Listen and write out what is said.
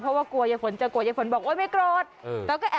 เขาก็จะกระบวยลอยสิคุณ